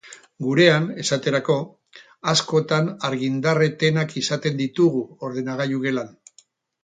Gurean, esaterako, askotan argindar etenak izaten ditugu ordenagailu gelan.